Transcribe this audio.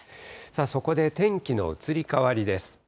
そこで、天気の移り変わりです。